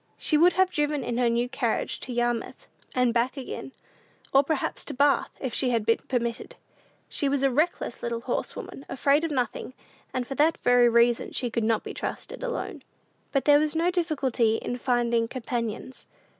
She would have driven in her new carriage to Yarmouth and back again, or perhaps to Bath, if she had been permitted. She was a reckless little horsewoman, afraid of nothing, and for that very reason could not be trusted alone. But there was no difficulty in finding companions.